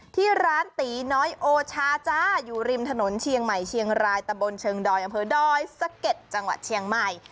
ที่ร้านตีน้อยโอชาจ้าอยู่ริมถนนเชียงใหม่เชียงรายตะบนเชิงดอยอำเภอดอยสะเก็ดจังหวัดเชียงใหม่